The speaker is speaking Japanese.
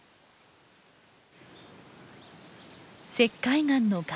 石灰岩の崖。